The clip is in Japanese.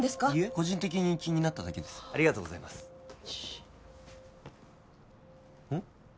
個人的に気になっただけですありがとうございますうん？